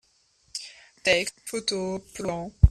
textes, photos, plans…